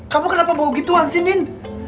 kamu kenapa bau gitu anssi nin